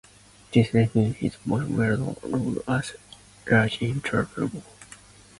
This led him to his most well known role as Largo in "Thunderball".